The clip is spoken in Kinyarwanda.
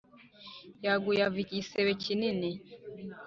Yaguye ava igisebe kinini